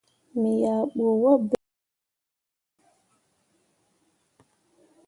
Me yah bu waaberre fah be yah.